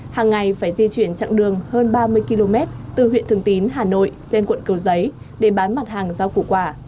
hàng ngày phải di chuyển chặng đường hơn ba mươi km từ huyện thường tín hà nội lên quận kiều giấy để bán mặt hàng giao cụ quả